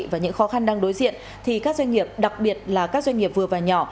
và những khó khăn đang đối diện thì các doanh nghiệp đặc biệt là các doanh nghiệp vừa và nhỏ